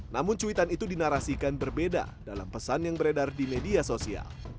namun cuitan itu dinarasikan berbeda dalam pesan yang beredar di media sosial